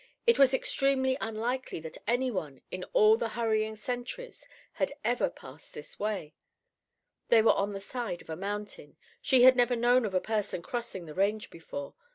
It was extremely unlikely that any one, in all the hurrying centuries, had ever passed this way. They were on the side of a mountain. She had never known of a person crossing the range before.